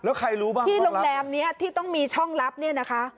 แล้วใครรู้บ้างที่โรงแรมนี้ที่ต้องมีช่องลับเนี่ยนะคะ